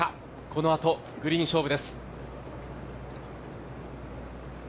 このあとグリーン勝負です。